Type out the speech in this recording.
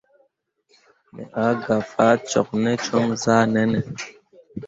Me ah gah faa cok ne com zahʼnanne.